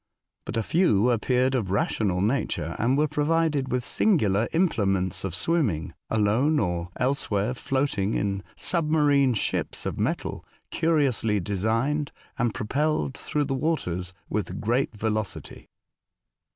^' But a few appeared of rational nature, and were provided with singular implements of swimming, alone, or elsewhere floating in sub marine ships of metal, curiously designed, and propelled through the waters with great velocity.